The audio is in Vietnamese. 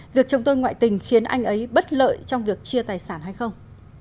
việc chồng tôi ngoại tình khiến anh ấy bất lợi trong việc chia tài sản hay không